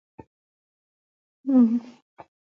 د کلیزو منظره د افغانستان د اقتصادي منابعو ارزښت زیاتوي.